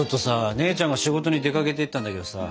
姉ちゃんが仕事に出かけていったんだけどさ